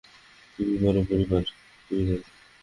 তুমি তার পরিবার।